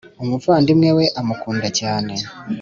umuvandimwe we amukunda cyane